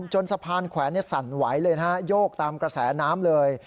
จนสะพานแขวนสั่นไหวเลยนะฮะโยกตามกระแสน้ำเลย